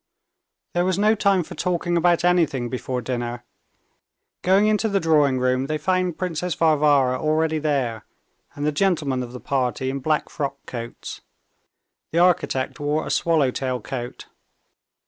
There was no time for talking about anything before dinner. Going into the drawing room they found Princess Varvara already there, and the gentlemen of the party in black frock coats. The architect wore a swallow tail coat.